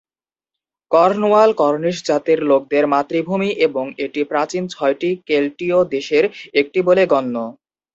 Cornwall Cornish জাতির লোকদের মাতৃভূমি এবং এটি প্রাচীন ছয়টি কেল্টীয় দেশের একটি বলে গণ্য।